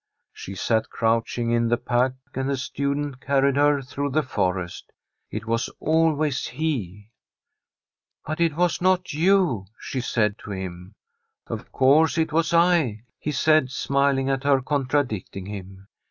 She sat crouching in the pack and the student carried her through the forest. It was always he. * But it was not you,' she said to him. The STORY of a COUNTRY HOUSE ' Of course it was 1/ he said, smiling at her contradicting him.